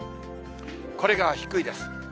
これが低いです。